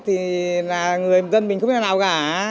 thì là người dân mình không biết nào cả